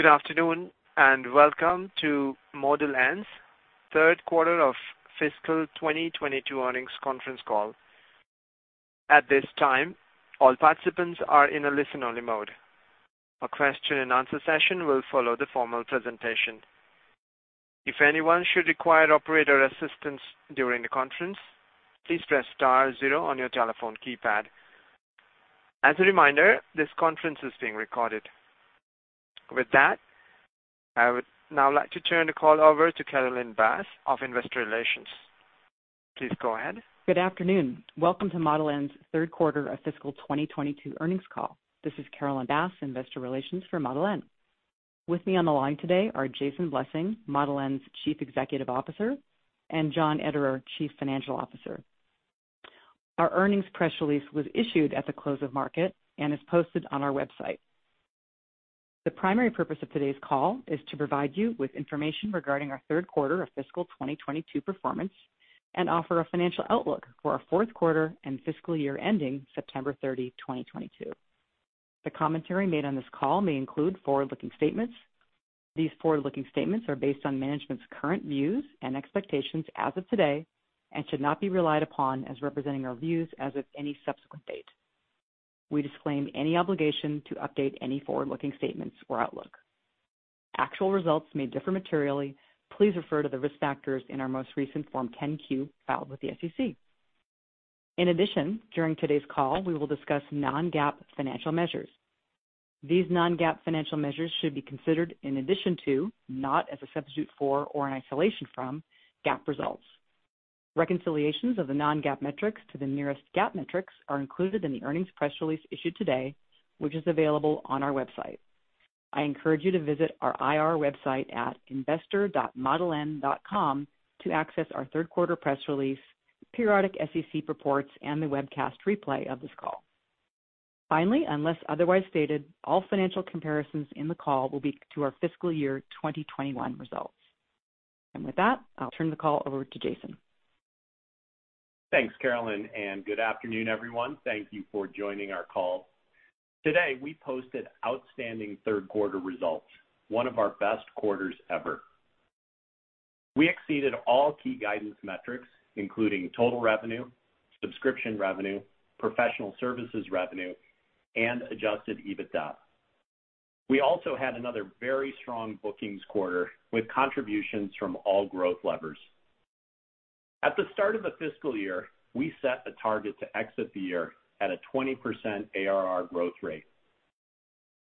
Good afternoon, and welcome to Model N's Third Quarter of Fiscal 2022 Earnings Conference Call. At this time, all participants are in a listen-only mode. A question-and-answer session will follow the formal presentation. If anyone should require operator assistance during the conference, please press star zero on your telephone keypad. As a reminder, this conference is being recorded. With that, I would now like to turn the call over to Carolyn Bass of Investor Relations. Please go ahead. Good afternoon. Welcome to Model N's Third Quarter of Fiscal 2022 Earnings Call. This is Carolyn Bass, Investor Relations for Model N. With me on the line today are Jason Blessing, Model N's Chief Executive Officer, and John Ederer, Chief Financial Officer. Our earnings press release was issued at the close of market and is posted on our website. The primary purpose of today's call is to provide you with information regarding our third quarter of fiscal 2022 performance and offer a financial outlook for our fourth quarter and fiscal year ending September 30, 2022. The commentary made on this call may include forward-looking statements. These forward-looking statements are based on management's current views and expectations as of today and should not be relied upon as representing our views as of any subsequent date. We disclaim any obligation to update any forward-looking statements or outlook. Actual results may differ materially. Please refer to the risk factors in our most recent Form 10-Q filed with the SEC. In addition, during today's call, we will discuss non-GAAP financial measures. These non-GAAP financial measures should be considered in addition to, not as a substitute for or in isolation from, GAAP results. Reconciliations of the non-GAAP metrics to the nearest GAAP metrics are included in the earnings press release issued today, which is available on our website. I encourage you to visit our IR website at investor.modeln.com to access our third quarter press release, periodic SEC reports, and the webcast replay of this call. Finally, unless otherwise stated, all financial comparisons in the call will be to our fiscal year 2021 results. With that, I'll turn the call over to Jason. Thanks, Carolyn, and good afternoon, everyone. Thank you for joining our call. Today, we posted outstanding third quarter results, one of our best quarters ever. We exceeded all key guidance metrics, including total revenue, subscription revenue, professional services revenue, and adjusted EBITDA. We also had another very strong bookings quarter with contributions from all growth levers. At the start of the fiscal year, we set a target to exit the year at a 20% ARR growth rate.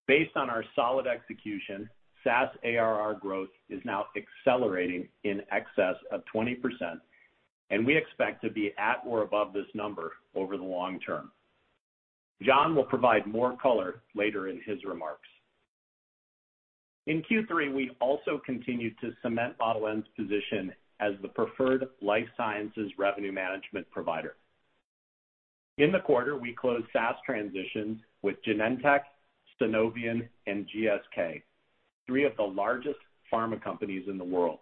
Based on our solid execution, SaaS ARR growth is now accelerating in excess of 20%, and we expect to be at or above this number over the long term. John will provide more color later in his remarks. In Q3, we also continued to cement Model N's position as the preferred life sciences revenue management provider. In the quarter, we closed SaaS transitions with Genentech, Sunovion, and GSK, three of the largest pharma companies in the world.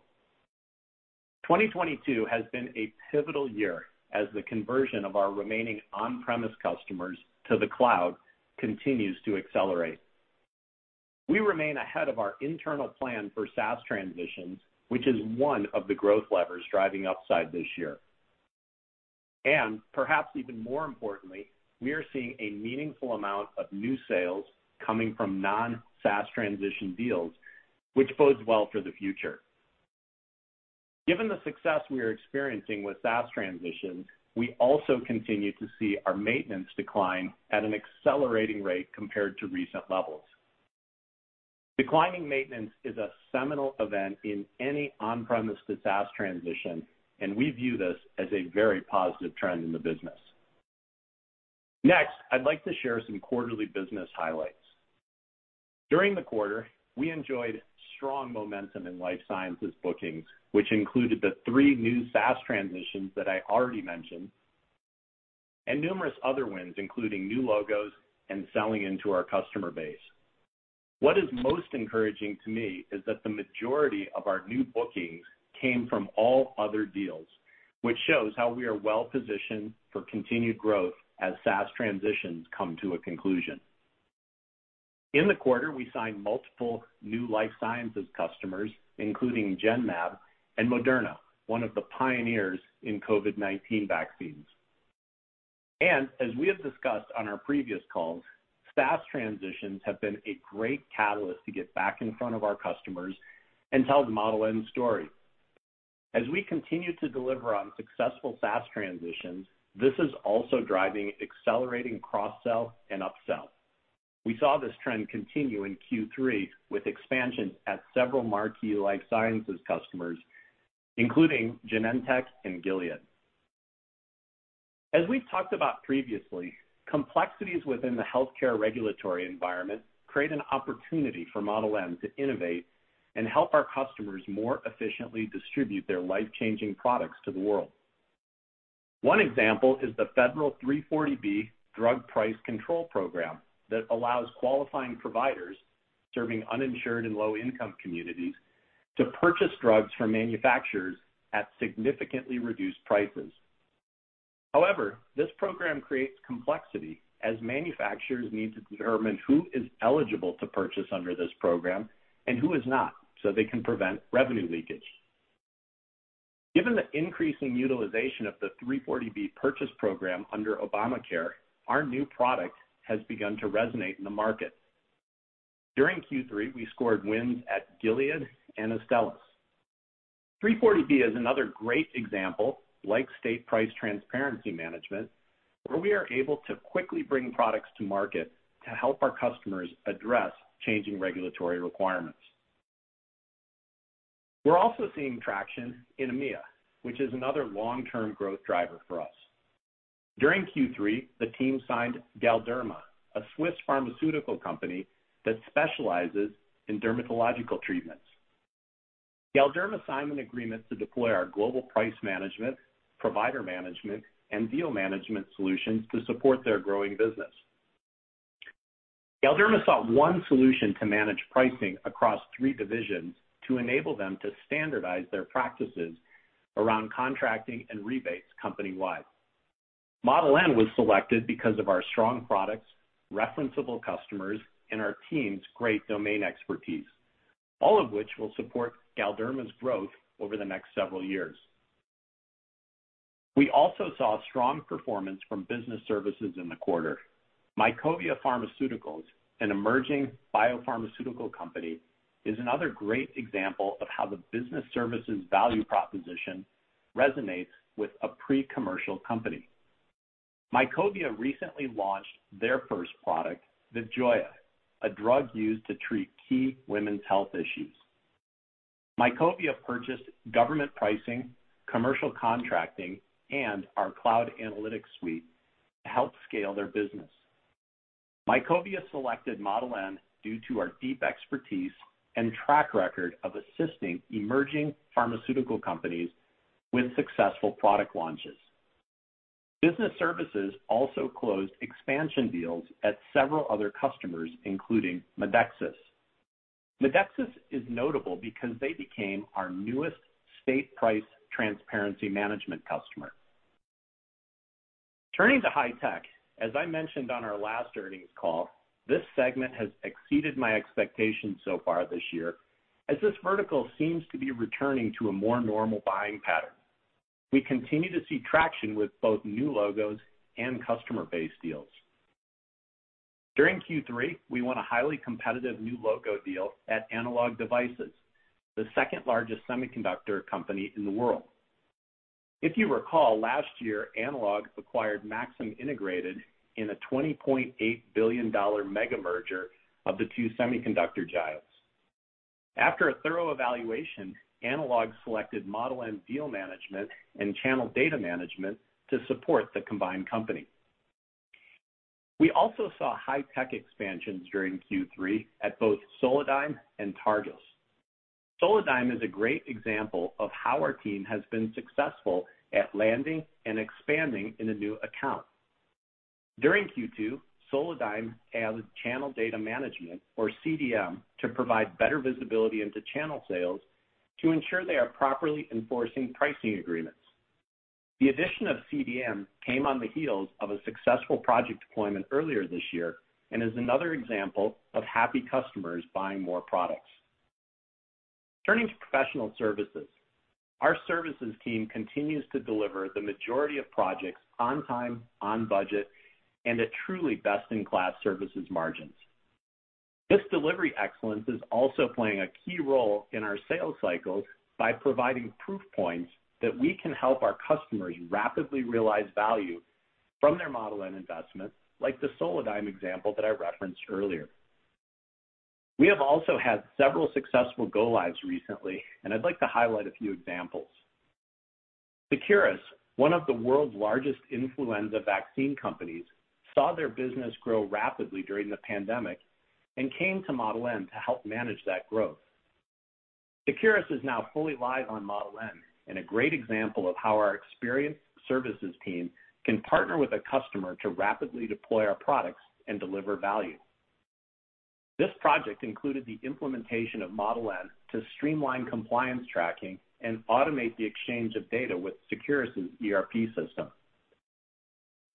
2022 has been a pivotal year as the conversion of our remaining on-premise customers to the cloud continues to accelerate. We remain ahead of our internal plan for SaaS transitions, which is one of the growth levers driving upside this year. Perhaps even more importantly, we are seeing a meaningful amount of new sales coming from non-SaaS transition deals, which bodes well for the future. Given the success we are experiencing with SaaS transitions, we also continue to see our maintenance decline at an accelerating rate compared to recent levels. Declining maintenance is a seminal event in any on-premise to SaaS transition, and we view this as a very positive trend in the business. Next, I'd like to share some quarterly business highlights. During the quarter, we enjoyed strong momentum in life sciences bookings, which included the three new SaaS transitions that I already mentioned, and numerous other wins, including new logos and selling into our customer base. What is most encouraging to me is that the majority of our new bookings came from all other deals, which shows how we are well positioned for continued growth as SaaS transitions come to a conclusion. In the quarter, we signed multiple new life sciences customers, including Genmab and Moderna, one of the pioneers in COVID-19 vaccines. As we have discussed on our previous calls, SaaS transitions have been a great catalyst to get back in front of our customers and tell the Model N story. As we continue to deliver on successful SaaS transitions, this is also driving accelerating cross-sell and up-sell. We saw this trend continue in Q3 with expansions at several marquee life sciences customers, including Genentech and Gilead. As we've talked about previously, complexities within the healthcare regulatory environment create an opportunity for Model N to innovate and help our customers more efficiently distribute their life-changing products to the world. One example is the federal 340B Drug Pricing Program that allows qualifying providers serving uninsured and low-income communities to purchase drugs from manufacturers at significantly reduced prices. However, this program creates complexity as manufacturers need to determine who is eligible to purchase under this program and who is not, so they can prevent revenue leakage. Given the increasing utilization of the 340B purchase program under Obamacare, our new product has begun to resonate in the market. During Q3, we scored wins at Gilead and Astellas. 340B is another great example, like State Price Transparency Management, where we are able to quickly bring products to market to help our customers address changing regulatory requirements. We're also seeing traction in EMEA, which is another long-term growth driver for us. During Q3, the team signed Galderma, a Swiss pharmaceutical company that specializes in dermatological treatments. Galderma signed an agreement to deploy our Global Pricing Management, Provider Management, and Deal Management solutions to support their growing business. Galderma sought one solution to manage pricing across three divisions to enable them to standardize their practices around contracting and rebates company-wide. Model N was selected because of our strong products, referenceable customers, and our team's great domain expertise, all of which will support Galderma's growth over the next several years. We also saw strong performance from business services in the quarter. Mycovia Pharmaceuticals, an emerging biopharmaceutical company, is another great example of how the business services value proposition resonates with a pre-commercial company. Mycovia recently launched their first product, VIVJOA, a drug used to treat key women's health issues. Mycovia purchased Government Pricing, Commercial Contracting, and our Cloud Analytics suite to help scale their business. Mycovia selected Model N due to our deep expertise and track record of assisting emerging pharmaceutical companies with successful product launches. Business services also closed expansion deals at several other customers, including Medexus. Medexus is notable because they became our newest State Price Transparency Management customer. Turning to high-tech, as I mentioned on our last earnings call, this segment has exceeded my expectations so far this year, as this vertical seems to be returning to a more normal buying pattern. We continue to see traction with both new logos and customer base deals. During Q3, we won a highly competitive new logo deal at Analog Devices, the second-largest semiconductor company in the world. If you recall, last year, Analog acquired Maxim Integrated in a $20.8 billion mega-merger of the two semiconductor giants. After a thorough evaluation, Analog selected Model N Deal Management and Channel Data Management to support the combined company. We also saw high-tech expansions during Q3 at both Solidigm and Targus. Solidigm is a great example of how our team has been successful at landing and expanding in a new account. During Q2, Solidigm added Channel Data Management, or CDM, to provide better visibility into channel sales to ensure they are properly enforcing pricing agreements. The addition of CDM came on the heels of a successful project deployment earlier this year and is another example of happy customers buying more products. Turning to professional services. Our services team continues to deliver the majority of projects on time, on budget, and at truly best-in-class services margins. This delivery excellence is also playing a key role in our sales cycles by providing proof points that we can help our customers rapidly realize value from their Model N investment, like the Solidigm example that I referenced earlier. We have also had several successful go-lives recently, and I'd like to highlight a few examples. Seqirus, one of the world's largest influenza vaccine companies, saw their business grow rapidly during the pandemic and came to Model N to help manage that growth. Seqirus is now fully live on Model N and a great example of how our experienced services team can partner with a customer to rapidly deploy our products and deliver value. This project included the implementation of Model N to streamline compliance tracking and automate the exchange of data with Seqirus' ERP system.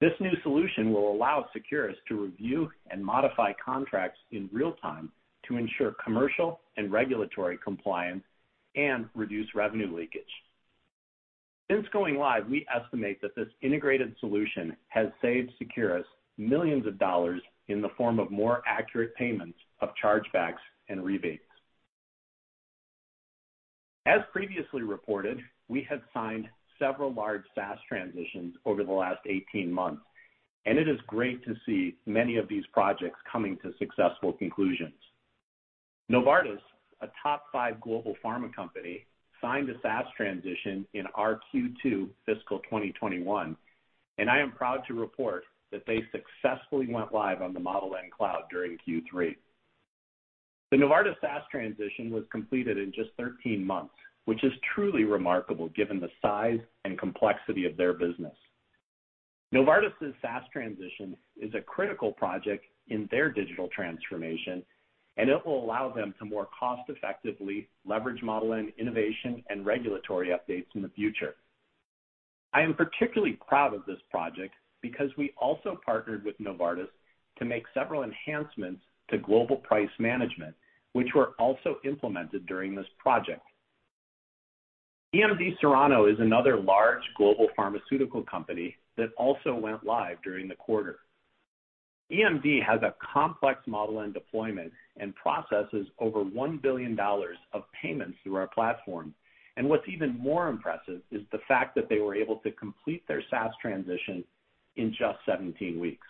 This new solution will allow Seqirus to review and modify contracts in real time to ensure commercial and regulatory compliance and reduce revenue leakage. Since going live, we estimate that this integrated solution has saved Seqirus millions of dollars in the form of more accurate payments of chargebacks and rebates. As previously reported, we had signed several large SaaS transitions over the last 18 months, and it is great to see many of these projects coming to successful conclusions. Novartis, a top 5 global pharma company, signed a SaaS transition in our Q2 fiscal 2021, and I am proud to report that they successfully went live on the Model N cloud during Q3. The Novartis SaaS transition was completed in just 13 months, which is truly remarkable given the size and complexity of their business. Novartis' SaaS transition is a critical project in their digital transformation. It will allow them to more cost effectively leverage Model N innovation and regulatory updates in the future. I am particularly proud of this project because we also partnered with Novartis to make several enhancements to Global Pricing Management, which were also implemented during this project. EMD Serono is another large global pharmaceutical company that also went live during the quarter. EMD has a complex Model N deployment and processes over $1 billion of payments through our platform. What's even more impressive is the fact that they were able to complete their SaaS transition in just 17 weeks.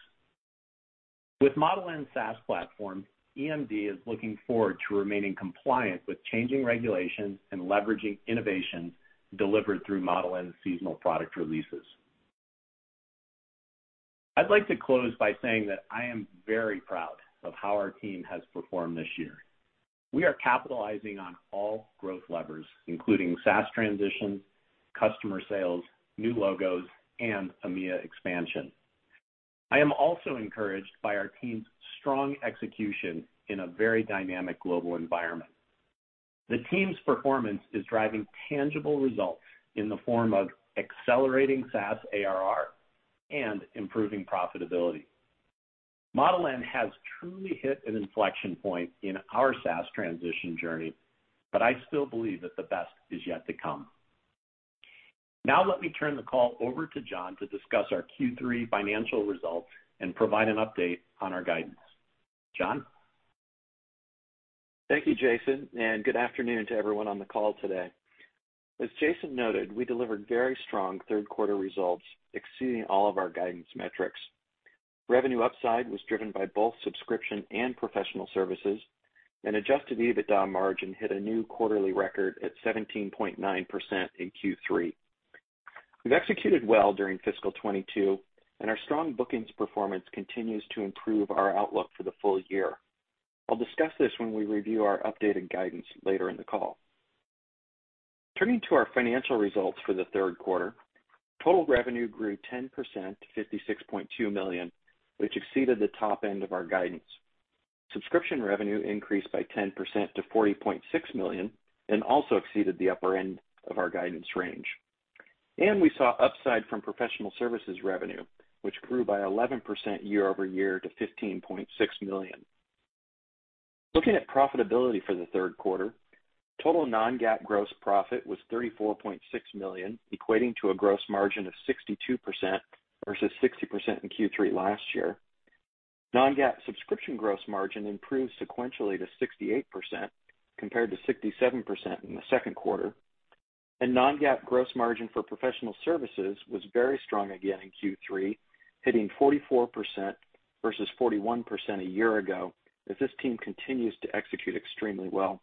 With Model N SaaS platform, EMD is looking forward to remaining compliant with changing regulations and leveraging innovation delivered through Model N seasonal product releases. I'd like to close by saying that I am very proud of how our team has performed this year. We are capitalizing on all growth levers, including SaaS transition, customer sales, new logos, and EMEA expansion. I am also encouraged by our team's strong execution in a very dynamic global environment. The team's performance is driving tangible results in the form of accelerating SaaS ARR and improving profitability. Model N has truly hit an inflection point in our SaaS transition journey, but I still believe that the best is yet to come. Now let me turn the call over to John to discuss our Q3 financial results and provide an update on our guidance. John? Thank you, Jason, and good afternoon to everyone on the call today. As Jason noted, we delivered very strong third quarter results, exceeding all of our guidance metrics. Revenue upside was driven by both subscription and professional services, and adjusted EBITDA margin hit a new quarterly record at 17.9% in Q3. We've executed well during fiscal 2022, and our strong bookings performance continues to improve our outlook for the full year. I'll discuss this when we review our updated guidance later in the call. Turning to our financial results for the third quarter, total revenue grew 10% to $56.2 million, which exceeded the top end of our guidance. Subscription revenue increased by 10% to $40.6 million and also exceeded the upper end of our guidance range. We saw upside from professional services revenue, which grew by 11% year-over-year to $15.6 million. Looking at profitability for the third quarter, total non-GAAP gross profit was $34.6 million, equating to a gross margin of 62% versus 60% in Q3 last year. Non-GAAP subscription gross margin improved sequentially to 68% compared to 67% in the second quarter. Non-GAAP gross margin for professional services was very strong again in Q3, hitting 44% versus 41% a year ago, as this team continues to execute extremely well.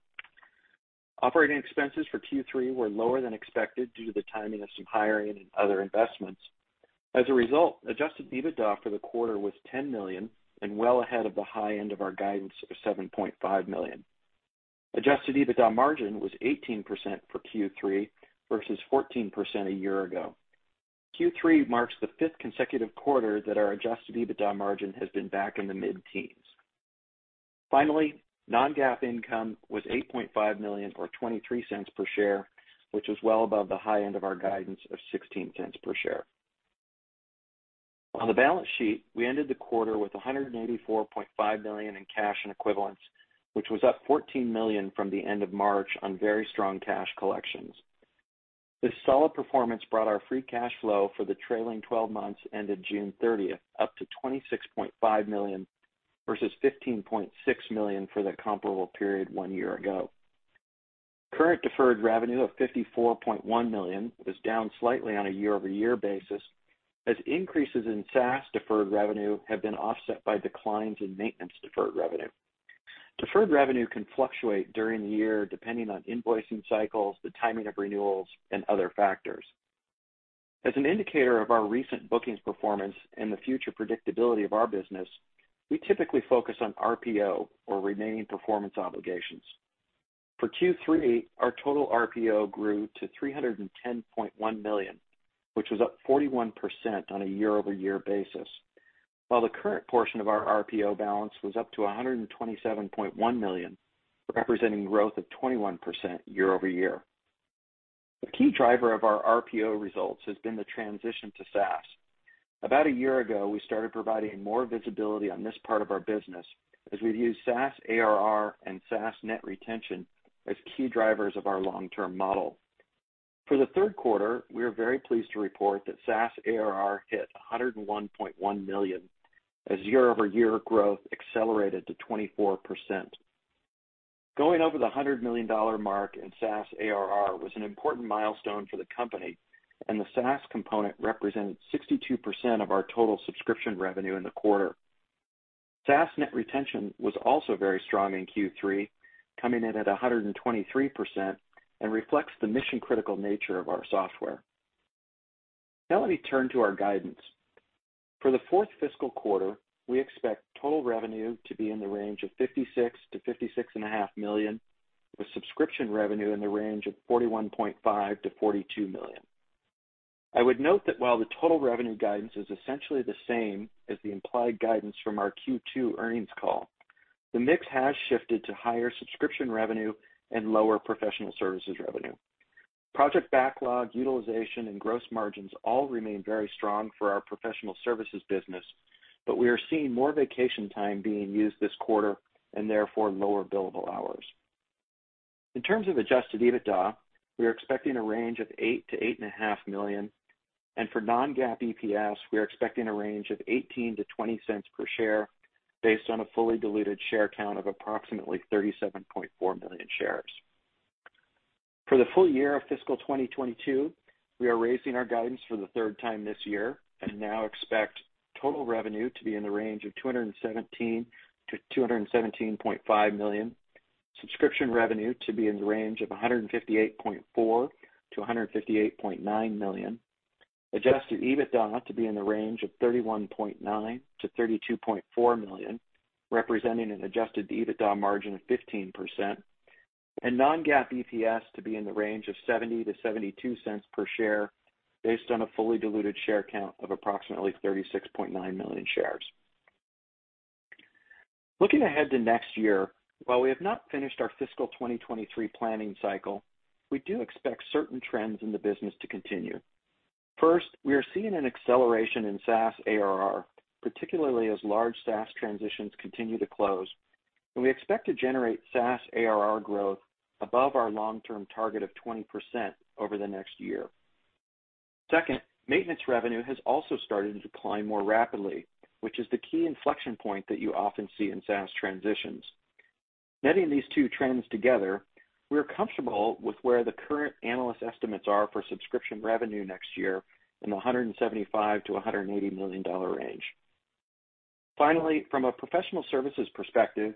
Operating expenses for Q3 were lower than expected due to the timing of some hiring and other investments. As a result, adjusted EBITDA for the quarter was $10 million and well ahead of the high end of our guidance of $7.5 million. Adjusted EBITDA margin was 18% for Q3 versus 14% a year ago. Q3 marks the fifth consecutive quarter that our adjusted EBITDA margin has been back in the mid-teens. Finally, non-GAAP income was $8.5 million or $0.23 per share, which is well above the high end of our guidance of $0.16 per share. On the balance sheet, we ended the quarter with $184.5 million in cash and equivalents, which was up $14 million from the end of March on very strong cash collections. This solid performance brought our free cash flow for the trailing 12 months ended June 30th up to $26.5 million versus $15.6 million for the comparable period one year ago. Current deferred revenue of $54.1 million was down slightly on a year-over-year basis as increases in SaaS deferred revenue have been offset by declines in maintenance deferred revenue. Deferred revenue can fluctuate during the year depending on invoicing cycles, the timing of renewals, and other factors. As an indicator of our recent bookings performance and the future predictability of our business, we typically focus on RPO or remaining performance obligations. For Q3, our total RPO grew to $310.1 million, which was up 41% on a year-over-year basis, while the current portion of our RPO balance was up to $127.1 million, representing growth of 21% year-over-year. The key driver of our RPO results has been the transition to SaaS. About a year ago, we started providing more visibility on this part of our business as we've used SaaS ARR and SaaS net retention as key drivers of our long-term model. For the third quarter, we are very pleased to report that SaaS ARR hit $101.1 million as year-over-year growth accelerated to 24%. Going over the $100 million mark in SaaS ARR was an important milestone for the company, and the SaaS component represented 62% of our total subscription revenue in the quarter. SaaS net retention was also very strong in Q3, coming in at 123% and reflects the mission-critical nature of our software. Now let me turn to our guidance. For the fourth fiscal quarter, we expect total revenue to be in the range of $56 million-$56.5 million, with subscription revenue in the range of $41.5 million-$42 million. I would note that while the total revenue guidance is essentially the same as the implied guidance from our Q2 earnings call, the mix has shifted to higher subscription revenue and lower professional services revenue. Project backlog utilization and gross margins all remain very strong for our professional services business, but we are seeing more vacation time being used this quarter and therefore lower billable hours. In terms of adjusted EBITDA, we are expecting a range of $8 million-$8.5 million. For non-GAAP EPS, we are expecting a range of $0.18-$0.20 per share based on a fully diluted share count of approximately 37.4 million shares. For the full year of fiscal 2022, we are raising our guidance for the third time this year and now expect total revenue to be in the range of $217 million-$217.5 million, subscription revenue to be in the range of $158.4 million-$158.9 million. Adjusted EBITDA to be in the range of $31.9 million-$32.4 million, representing an adjusted EBITDA margin of 15%. Non-GAAP EPS to be in the range of $0.70-$0.72 per share based on a fully diluted share count of approximately 36.9 million shares. Looking ahead to next year, while we have not finished our fiscal 2023 planning cycle, we do expect certain trends in the business to continue. First, we are seeing an acceleration in SaaS ARR, particularly as large SaaS transitions continue to close, and we expect to generate SaaS ARR growth above our long-term target of 20% over the next year. Second, maintenance revenue has also started to decline more rapidly, which is the key inflection point that you often see in SaaS transitions. Netting these two trends together, we are comfortable with where the current analyst estimates are for subscription revenue next year in the $175 million-$180 million range. Finally, from a professional services perspective,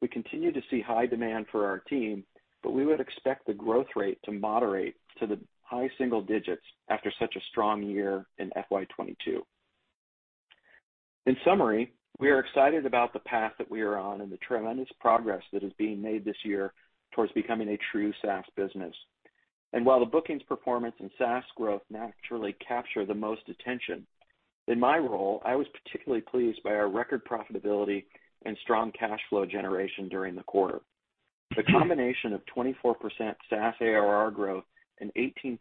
we continue to see high demand for our team, but we would expect the growth rate to moderate to the high single digits after such a strong year in FY 2022. In summary, we are excited about the path that we are on and the tremendous progress that is being made this year towards becoming a true SaaS business. While the bookings performance and SaaS growth naturally capture the most attention, in my role, I was particularly pleased by our record profitability and strong cash flow generation during the quarter. The combination of 24% SaaS ARR growth and 18%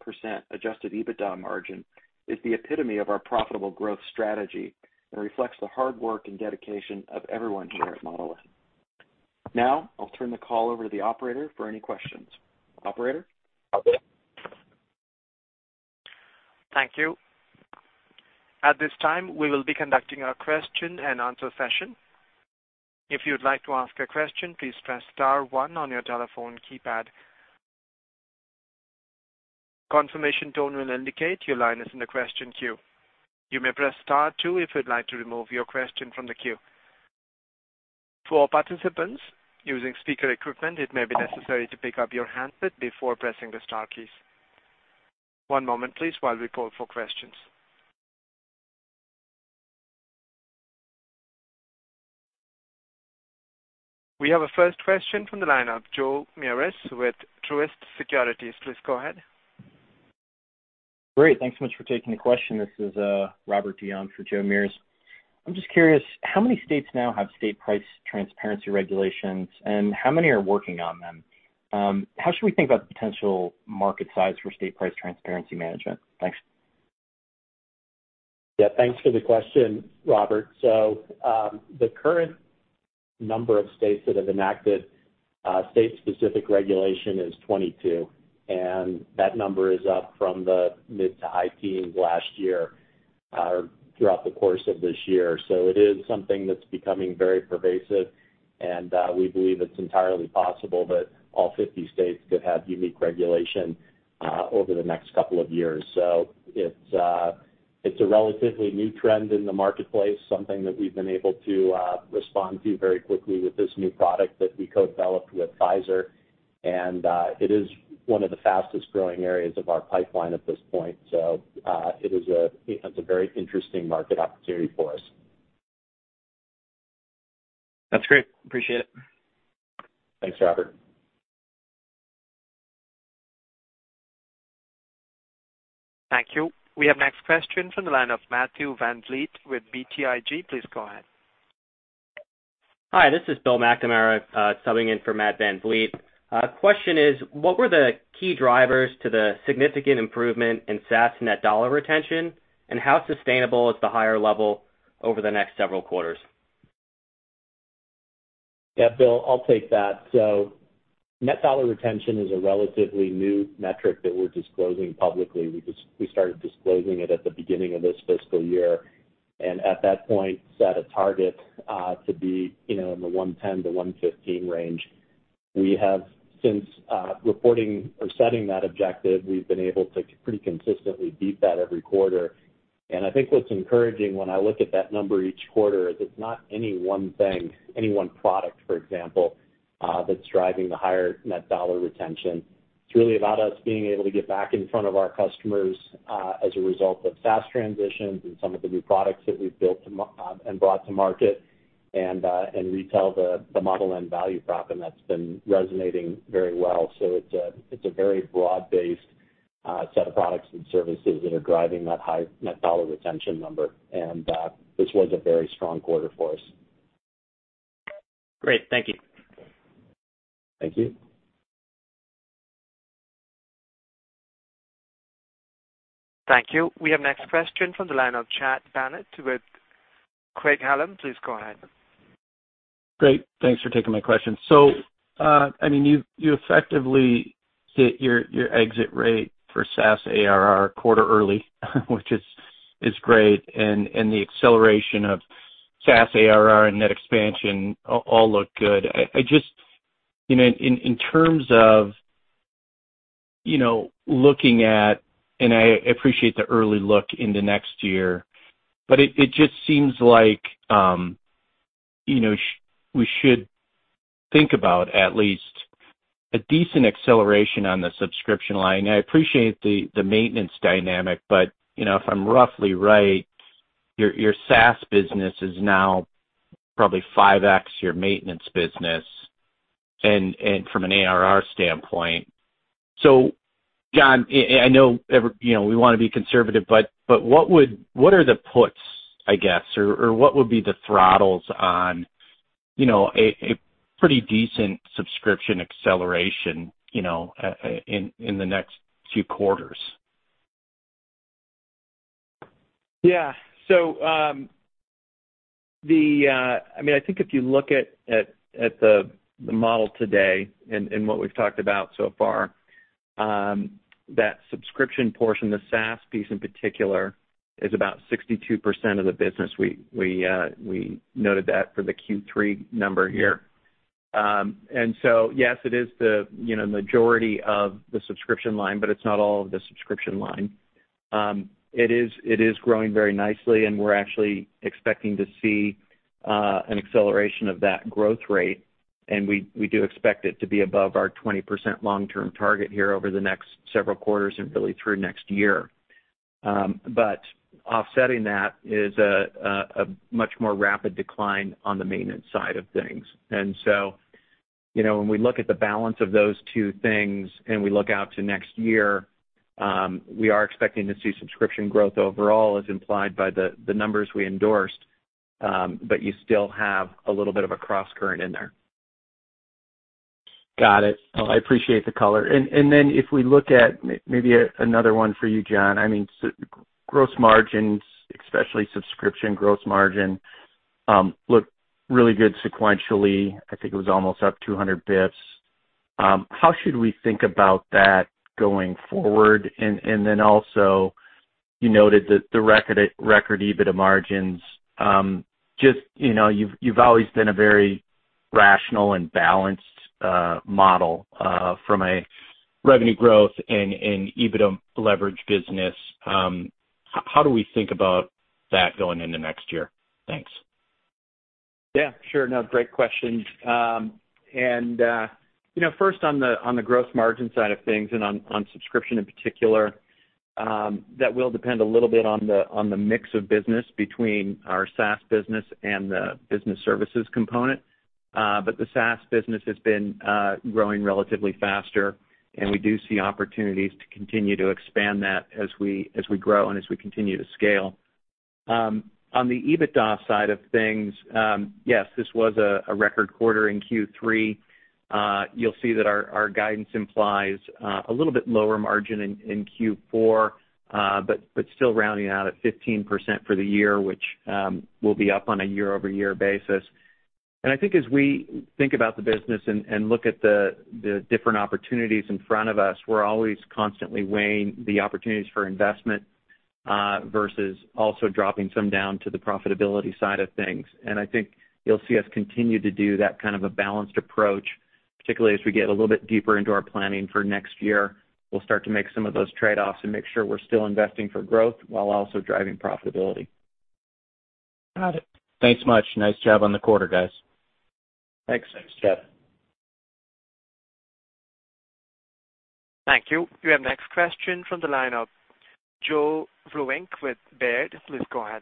adjusted EBITDA margin is the epitome of our profitable growth strategy and reflects the hard work and dedication of everyone here at Model N. Now, I'll turn the call over to the Operator for any questions. Operator? Thank you. At this time, we will be conducting our question-and-answer session. If you'd like to ask a question, please press star one on your telephone keypad. Confirmation tone will indicate your line is in the question queue. You may press star two if you'd like to remove your question from the queue. For participants using speaker equipment, it may be necessary to pick up your handset before pressing the star keys. One moment please while we poll for questions. We have a first question from the line of Joe Meares with Truist Securities. Please go ahead. Great. Thanks so much for taking the question. This is Robert Dionne for Joe Meares. I'm just curious, how many states now have state price transparency regulations and how many are working on them? How should we think about the potential market size for state price transparency management? Thanks. Yeah. Thanks for the question, Robert. The current number of states that have enacted state-specific regulation is 22, and that number is up from the mid- to high teens last year throughout the course of this year. It is something that's becoming very pervasive and we believe it's entirely possible that all 50 states could have unique regulation over the next couple of years. It's a relatively new trend in the marketplace, something that we've been able to respond to very quickly with this new product that we co-developed with Pfizer. It is one of the fastest-growing areas of our pipeline at this point. It's a very interesting market opportunity for us. That's great. Appreciate it. Thanks, Robert. Thank you. We have next question from the line of Matthew VanVliet with BTIG. Please go ahead. Hi, this is Bill McNamara, subbing in for Matt VanVliet. Question is, what were the key drivers to the significant improvement in SaaS net dollar retention? How sustainable is the higher level over the next several quarters? Yeah, Bill, I'll take that. Net dollar retention is a relatively new metric that we're disclosing publicly. We started disclosing it at the beginning of this fiscal year, and at that point, set a target to be, you know, in the 110-115 range. We have since reporting or setting that objective, we've been able to pretty consistently beat that every quarter. I think what's encouraging when I look at that number each quarter is it's not any one thing, any one product, for example, that's driving the higher net dollar retention. It's really about us being able to get back in front of our customers as a result of SaaS transitions and some of the new products that we've built and brought to market. We tell the Model N value prop, and that's been resonating very well. It's a very broad-based set of products and services that are driving that high net dollar retention number. This was a very strong quarter for us. Great. Thank you. Thank you. Thank you. We have next question from the line of Chad Bennett with Craig-Hallum. Please go ahead. Great. Thanks for taking my question. I mean, you effectively hit your exit rate for SaaS ARR quarter early, which is great. The acceleration of SaaS ARR and net expansion all look good. I just, you know, in terms of, you know, looking at, I appreciate the early look in the next year, but it just seems like, you know, we should think about at least a decent acceleration on the subscription line. I appreciate the maintenance dynamic, but, you know, if I'm roughly right, your SaaS business is now probably 5x your maintenance business and from an ARR standpoint. John, I know, you know, we wanna be conservative, but what are the buts, I guess, or what would be the throttles on, you know, a pretty decent subscription acceleration, you know, in the next few quarters? Yeah. I mean, I think if you look at the model today and what we've talked about so far, that subscription portion, the SaaS piece in particular, is about 62% of the business. We noted that for the Q3 number here. Yes, it is the, you know, majority of the subscription line, but it's not all of the subscription line. It is growing very nicely, and we're actually expecting to see an acceleration of that growth rate, and we do expect it to be above our 20% long-term target here over the next several quarters and really through next year. Offsetting that is a much more rapid decline on the maintenance side of things. You know, when we look at the balance of those two things and we look out to next year, we are expecting to see subscription growth overall as implied by the numbers we endorsed, but you still have a little bit of a cross-current in there. Got it. No, I appreciate the color. Then if we look at maybe another one for you, John. I mean, gross margins, especially subscription gross margin, look really good sequentially. I think it was almost up 200 basis points. How should we think about that going forward? Then also you noted that the record EBITDA margins. Just, you know, you've always been a very rational and balanced Model N from a revenue growth and EBITDA leverage business. How do we think about that going into next year? Thanks. Yeah, sure. No, great question. You know, first on the gross margin side of things and on subscription in particular, that will depend a little bit on the mix of business between our SaaS business and the business services component. The SaaS business has been growing relatively faster, and we do see opportunities to continue to expand that as we grow and as we continue to scale. On the EBITDA side of things, yes, this was a record quarter in Q3. You'll see that our guidance implies a little bit lower margin in Q4, but still rounding out at 15% for the year, which will be up on a year-over-year basis. I think as we think about the business and look at the different opportunities in front of us, we're always constantly weighing the opportunities for investment versus also dropping some down to the profitability side of things. I think you'll see us continue to do that kind of a balanced approach, particularly as we get a little bit deeper into our planning for next year. We'll start to make some of those trade-offs and make sure we're still investing for growth while also driving profitability. Got it. Thanks much. Nice job on the quarter, guys. Thanks. Thanks, Chad. Thank you. We have next question from the line of Joe Vruwink with Baird. Please go ahead.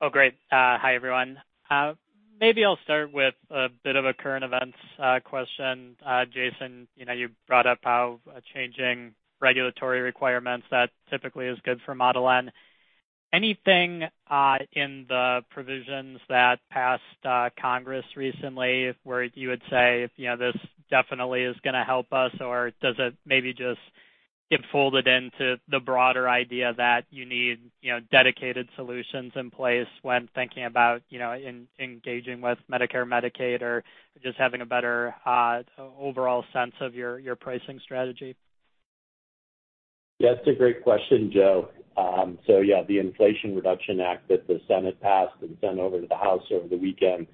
Oh, great. Hi, everyone. Maybe I'll start with a bit of a current events question. Jason, you know, you brought up how changing regulatory requirements, that typically is good for Model N. Anything in the provisions that passed Congress recently where you would say, you know, this definitely is gonna help us, or does it maybe just get folded into the broader idea that you need, you know, dedicated solutions in place when thinking about, you know, engaging with Medicare, Medicaid, or just having a better overall sense of your pricing strategy? That's a great question, Joe. So yeah, the Inflation Reduction Act that the Senate passed and sent over to the House over the weekend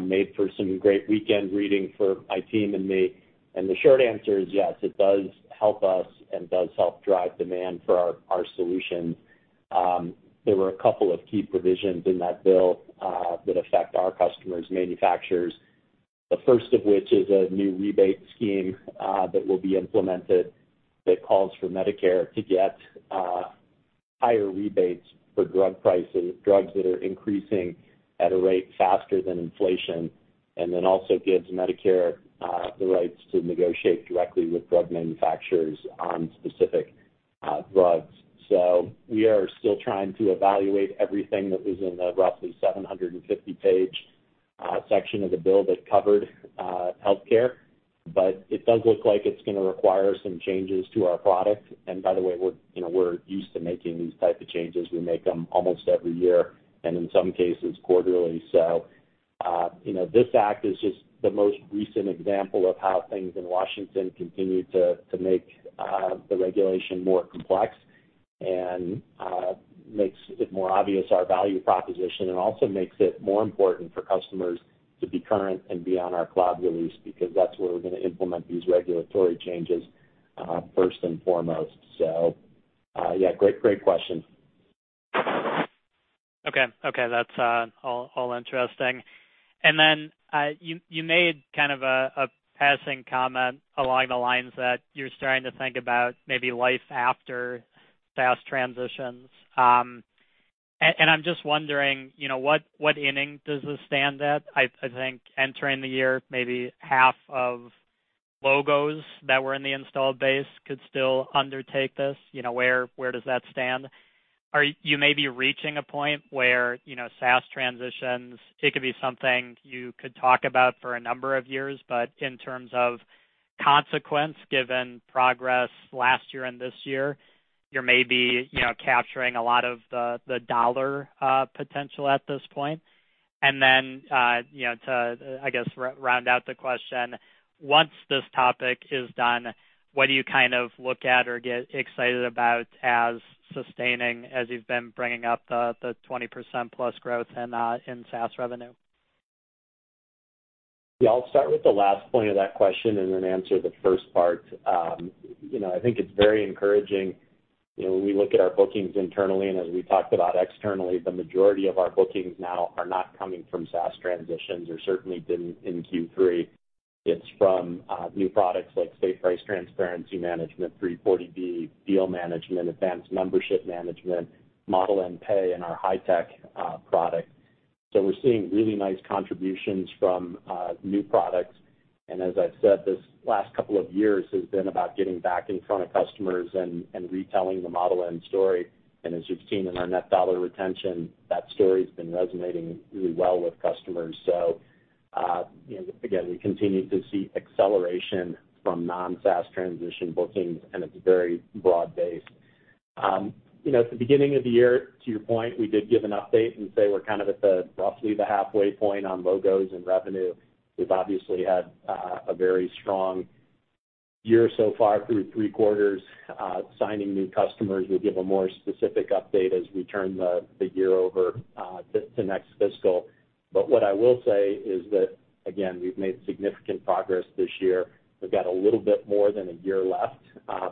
made for some great weekend reading for my team and me. The short answer is yes, it does help us and does help drive demand for our solutions. There were a couple of key provisions in that bill that affect our customers, manufacturers. The first of which is a new rebate scheme that will be implemented that calls for Medicare to get higher rebates for drug prices, drugs that are increasing at a rate faster than inflation, and then also gives Medicare the rights to negotiate directly with drug manufacturers on specific drugs. We are still trying to evaluate everything that was in the roughly 750-page section of the bill that covered healthcare. It does look like it's gonna require some changes to our product. By the way, you know, we're used to making these types of changes. We make them almost every year, and in some cases, quarterly. You know, this act is just the most recent example of how things in Washington continue to make the regulation more complex, and makes it more obvious our value proposition, and also makes it more important for customers to be current and be on our cloud release because that's where we're gonna implement these regulatory changes, first and foremost. Yeah, great question. Okay. That's all interesting. Then, you made kind of a passing comment along the lines that you're starting to think about maybe life after SaaS transitions. I'm just wondering, you know, what inning does this stand at? I think entering the year, maybe half of logos that were in the install base could still undertake this. You know, where does that stand? You may be reaching a point where, you know, SaaS transitions, it could be something you could talk about for a number of years, but in terms of consequence, given progress last year and this year, you're maybe, you know, capturing a lot of the dollar potential at this point. You know, to, I guess, round out the question, once this topic is done, what do you kind of look at or get excited about as sustaining as you've been bringing up the 20%+ growth in SaaS revenue? Yeah, I'll start with the last point of that question and then answer the first part. You know, I think it's very encouraging, you know, when we look at our bookings internally, and as we talked about externally, the majority of our bookings now are not coming from SaaS transitions or certainly didn't in Q3. It's from new products like State Price Transparency Management, 340B, Deal Management, Advanced Membership Management, Model N Pay, and our high-tech product. We're seeing really nice contributions from new products. As I've said, this last couple of years has been about getting back in front of customers and retelling the Model N story. As you've seen in our net dollar retention, that story's been resonating really well with customers. You know, again, we continue to see acceleration from non-SaaS transition bookings, and it's very broad-based. You know, at the beginning of the year, to your point, we did give an update and say we're kind of at roughly the halfway point on logos and revenue. We've obviously had a very strong year so far through three quarters signing new customers. We'll give a more specific update as we turn the year over to next fiscal. What I will say is that, again, we've made significant progress this year. We've got a little bit more than a year left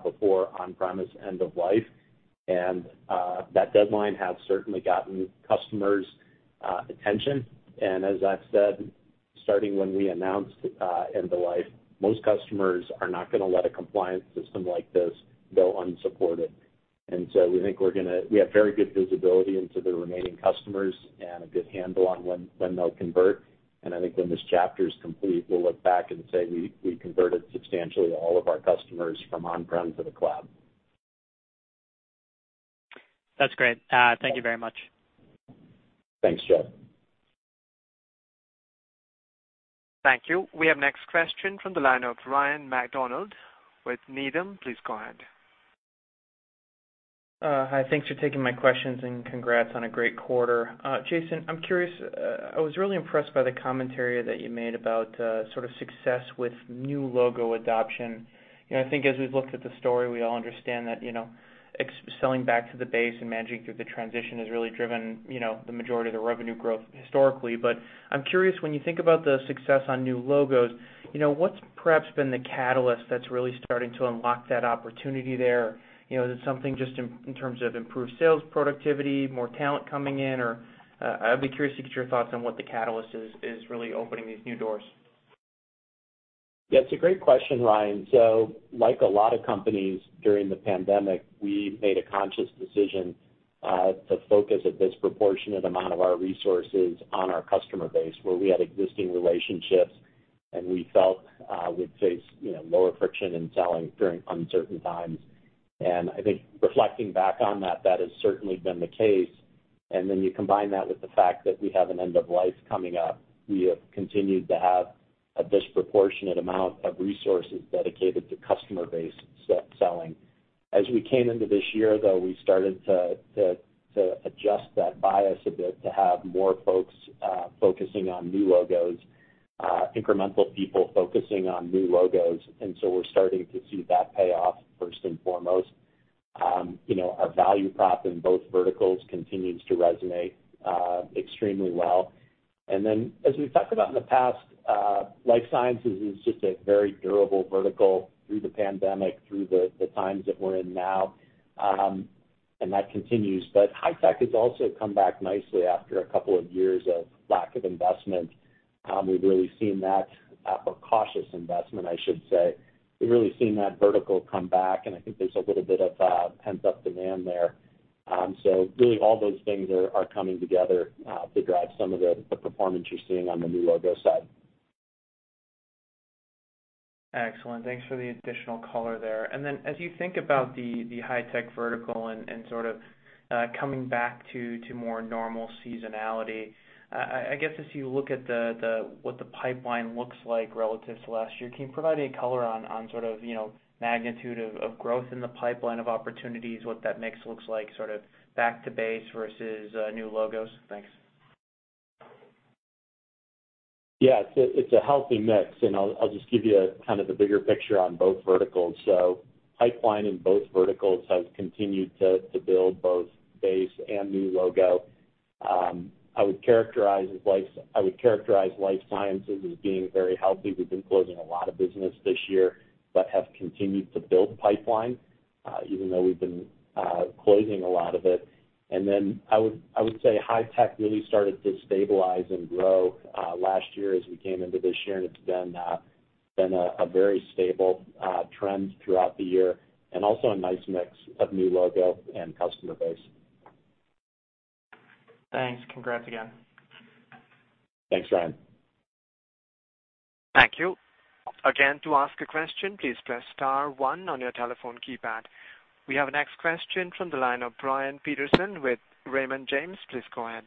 before on-premise end of life. That deadline has certainly gotten customers' attention. As I've said, starting when we announced end of life, most customers are not gonna let a compliance system like this go unsupported. We think we have very good visibility into the remaining customers and a good handle on when they'll convert. I think when this chapter is complete, we'll look back and say we converted substantially all of our customers from on-prem to the cloud. That's great. Thank you very much. Thanks, Joe. Thank you. We have next question from the line of Ryan MacDonald with Needham. Please go ahead. Hi, thanks for taking my questions, and congrats on a great quarter. Jason, I'm curious. I was really impressed by the commentary that you made about sort of success with new logo adoption. You know, I think as we've looked at the story, we all understand that, you know, cross-selling back to the base and managing through the transition has really driven, you know, the majority of the revenue growth historically. I'm curious, when you think about the success on new logos, you know, what's perhaps been the catalyst that's really starting to unlock that opportunity there? You know, is it something just in terms of improved sales productivity, more talent coming in, or I'd be curious to get your thoughts on what the catalyst is really opening these new doors. Yeah, it's a great question, Ryan. Like a lot of companies during the pandemic, we made a conscious decision to focus a disproportionate amount of our resources on our customer base, where we had existing relationships, and we felt we'd face, you know, lower friction in selling during uncertain times. I think reflecting back on that, that has certainly been the case. Then you combine that with the fact that we have an end of life coming up. We have continued to have a disproportionate amount of resources dedicated to customer base selling. As we came into this year, though, we started to adjust that bias a bit to have more folks focusing on new logos, incremental people focusing on new logos. We're starting to see that pay off first and foremost. You know, our value prop in both verticals continues to resonate extremely well. Then as we've talked about in the past, life sciences is just a very durable vertical through the pandemic, through the times that we're in now. That continues. High-tech has also come back nicely after a couple of years of lack of investment. We've really seen that or cautious investment, I should say. We've really seen that vertical come back, and I think there's a little bit of pent-up demand there. Really all those things are coming together to drive some of the performance you're seeing on the new logo side. Excellent. Thanks for the additional color there. As you think about the high-tech vertical and sort of coming back to more normal seasonality, I guess as you look at what the pipeline looks like relative to last year, can you provide any color on sort of you know magnitude of growth in the pipeline of opportunities, what that mix looks like, sort of back to base versus new logos? Thanks. Yeah. It's a healthy mix, and I'll just give you a kind of the bigger picture on both verticals. Pipeline in both verticals has continued to build both base and new logo. I would characterize life sciences as being very healthy. We've been closing a lot of business this year, but have continued to build pipeline, even though we've been closing a lot of it. I would say high tech really started to stabilize and grow last year as we came into this year, and it's been a very stable trend throughout the year and also a nice mix of new logo and customer base. Thanks. Congrats again. Thanks, Ryan. Thank you. Again, to ask a question, please press star one on your telephone keypad. We have a next question from the line of Brian Peterson with Raymond James. Please go ahead.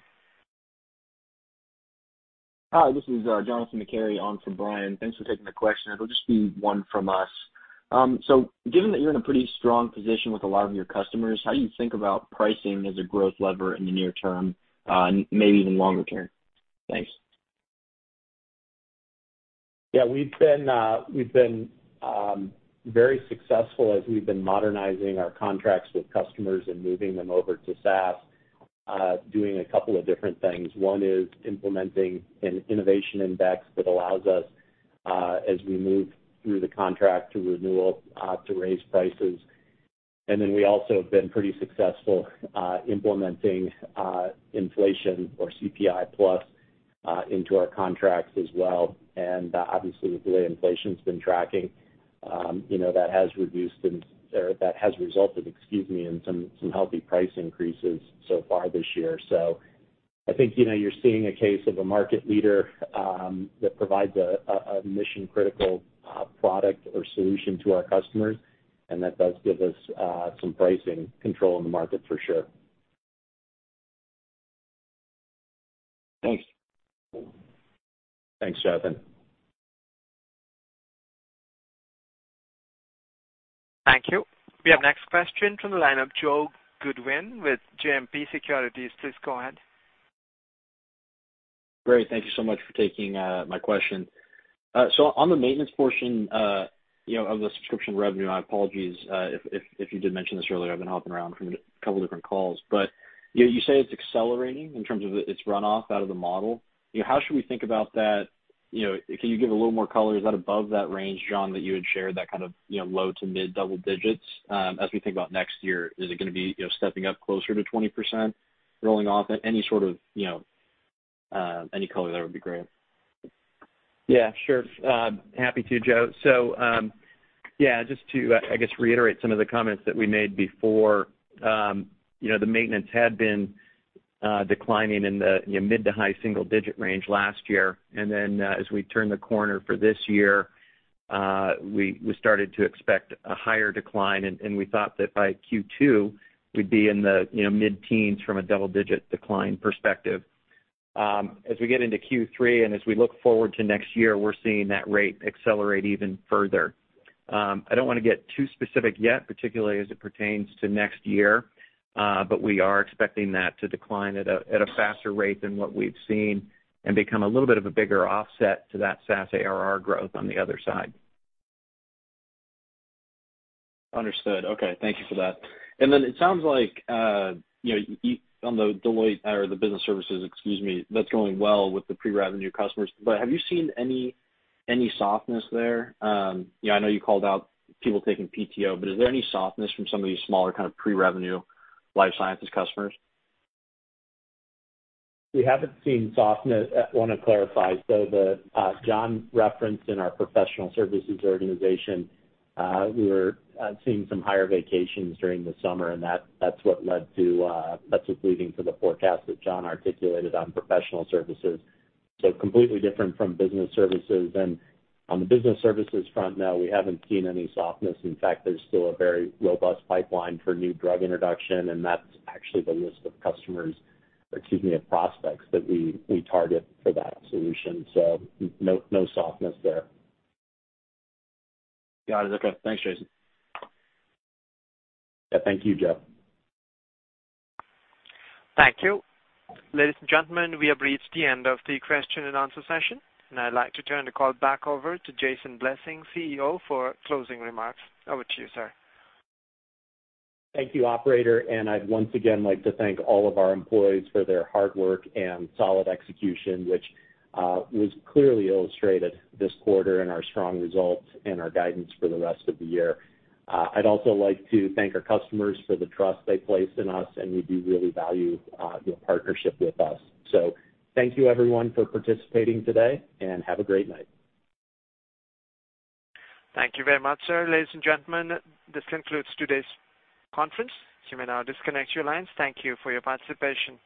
Hi, this is Johnathan McCary on for Brian. Thanks for taking the question. It'll just be one from us. Given that you're in a pretty strong position with a lot of your customers, how do you think about pricing as a growth lever in the near term, and maybe even longer term? Thanks. Yeah, we've been very successful as we've been modernizing our contracts with customers and moving them over to SaaS, doing a couple of different things. One is implementing an innovation index that allows us, as we move through the contract to renewal, to raise prices. We also have been pretty successful, implementing, inflation or CPI+, into our contracts as well. Obviously, the way inflation's been tracking, you know, that has resulted, excuse me, in some healthy price increases so far this year. I think, you know, you're seeing a case of a market leader, that provides a mission-critical product or solution to our customers, and that does give us some pricing control in the market for sure. Thanks. Thanks, Johnathan. Thank you. We have next question from the line of Joe Goodwin with JMP Securities. Please go ahead. Great. Thank you so much for taking my question. On the maintenance portion, you know, of the subscription revenue, my apologies, if you did mention this earlier, I've been hopping around from a couple different calls. You know, you say it's accelerating in terms of its runoff out of the model. You know, how should we think about that? You know, can you give a little more color? Is that above that range, John, that you had shared, that kind of, you know, low- to mid-double digits, as we think about next year? Is it gonna be, you know, stepping up closer to 20%, rolling off at any sort of, you know, any color there would be great. Yeah, sure. Happy to, Joe. Yeah, just to, I guess reiterate some of the comments that we made before, you know, the maintenance had been declining in the, you know, mid to high single digit range last year. Then, as we turned the corner for this year, we started to expect a higher decline, and we thought that by Q2, we'd be in the, you know, mid-teens from a double-digit decline perspective. As we get into Q3 and as we look forward to next year, we're seeing that rate accelerate even further. I don't wanna get too specific yet, particularly as it pertains to next year, but we are expecting that to decline at a faster rate than what we've seen and become a little bit of a bigger offset to that SaaS ARR growth on the other side. Understood. Okay. Thank you for that. It sounds like, you know, on the Deloitte or the business services, excuse me, that's going well with the pre-revenue customers, but have you seen any softness there? You know, I know you called out people taking PTO, but is there any softness from some of these smaller kind of pre-revenue life sciences customers? We haven't seen softness. Wanna clarify. The John referenced in our professional services organization, we were seeing some higher vacations during the summer, and that's what's leading to the forecast that John articulated on professional services. Completely different from business services. On the business services front, no, we haven't seen any softness. In fact, there's still a very robust pipeline for new drug introduction, and that's actually the list of customers, or excuse me, of prospects that we target for that solution. No softness there. Got it. Okay. Thanks, Jason. Yeah. Thank you, Joe. Thank you. Ladies and gentlemen, we have reached the end of the question-and-answer session, and I'd like to turn the call back over to Jason Blessing, CEO, for closing remarks. Over to you, sir. Thank you, Operator. I'd once again like to thank all of our employees for their hard work and solid execution, which was clearly illustrated this quarter in our strong results and our guidance for the rest of the year. I'd also like to thank our customers for the trust they place in us, and we do really value your partnership with us. Thank you, everyone, for participating today, and have a great night. Thank you very much, sir. Ladies and gentlemen, this concludes today's conference. You may now disconnect your lines. Thank you for your participation.